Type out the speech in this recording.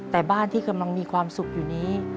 แต่บ้านที่กำลังมีความสุขอยู่นี้